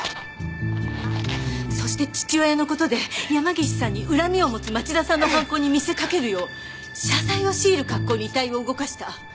そして父親の事で山岸さんに恨みを持つ町田さんの犯行に見せかけるよう謝罪を強いる格好に遺体を動かした。